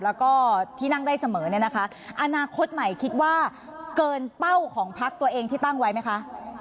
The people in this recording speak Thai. แล้วก็ที่นั่งได้เสมอเนี่ยนะคะอนาคตใหม่คิดว่าเกินเป้าของพักตัวเองที่ตั้งไว้ไหมคะ